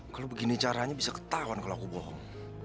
kalau begini caranya bisa ketahuan kalau aku bohong